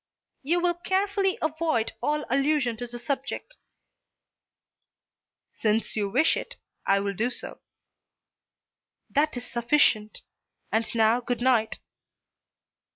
"You will carefully avoid all allusion to the subject." "Since you wish it, I will do so." "That is sufficient. And now good night."